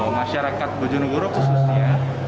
masyarakat bojonegoro khususnya